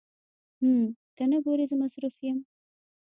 حم ته نه ګورې زه مصروف يم.